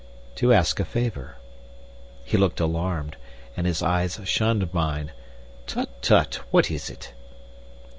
"To ask a favor." He looked alarmed, and his eyes shunned mine. "Tut, tut! What is it?"